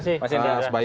terima kasih pak asbayu